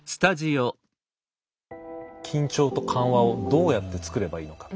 緊張と緩和をどうやって作ればいいのか。